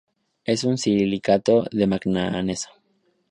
Es un silicato de manganeso.